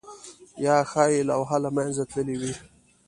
یا ښايي لوحه له منځه تللې وي؟